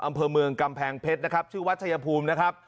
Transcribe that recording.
อำเภอเมืองกำแพงเพชรนะครับชื่อวัดชายภูมินะครับ